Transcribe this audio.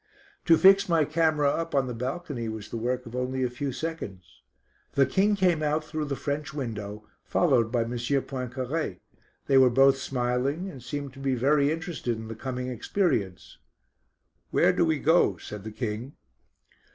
To fix my camera up on the balcony was the work of only a few seconds. The King came out through the French window, followed by M. Poincaré. They were both smiling and seemed to be very interested in the coming experience. "Where do we go?" said the King.